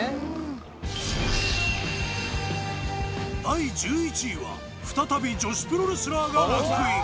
第１１位は再び女子プロレスラーがランクイン。